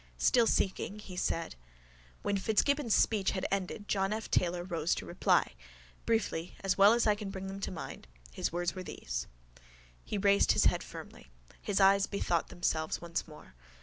Still seeking, he said: —When Fitzgibbon's speech had ended John F Taylor rose to reply. Briefly, as well as I can bring them to mind, his words were these. He raised his head firmly. His eyes bethought themselves once more.